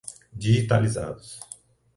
digitalizados